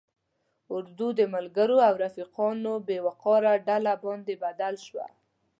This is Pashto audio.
اردو د ملګرو او رفیقانو په بې وقاره ډله باندې بدل شوه.